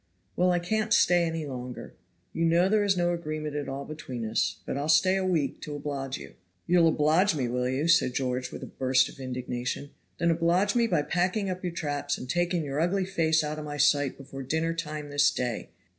"Well, I can't stay any longer. You know there is no agreement at all between us, but I'll stay a week to oblige you." "You'll oblige me, will you?" said George, with a burst of indignation; "then oblige me by packing up your traps and taking your ugly face out of my sight before dinner time this day.